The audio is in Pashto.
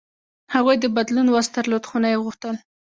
هغوی د بدلون وس درلود، خو نه یې غوښتل.